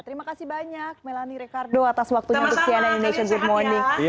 terima kasih banyak melani ricardo atas waktunya bersihannya di nation good morning